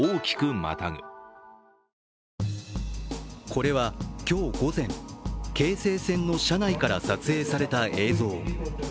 これは今日午前、京成線の車内から撮影された映像。